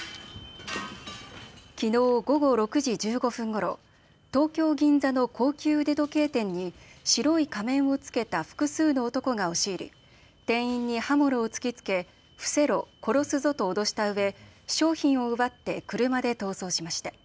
きのう午後６時１５分ごろ東京銀座の高級腕時計店に白い仮面を着けた複数の男が押し入り店員に刃物を突き付け伏せろ殺すぞと脅したうえ商品を奪って車で逃走しました。